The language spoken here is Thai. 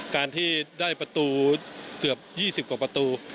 การที่ได้ประตูเกือบ๒๐กว่าประตู